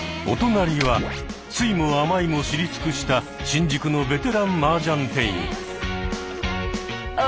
お隣は酸いも甘いも知り尽くした新宿のベテランマージャン店員。